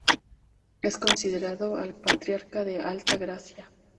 Es considerado el patriarca de Alta Gracia.